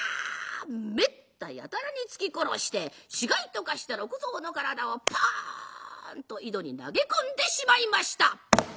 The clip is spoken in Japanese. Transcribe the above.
めったやたらに突き殺して死骸と化した六蔵の体をポンと井戸に投げ込んでしまいました。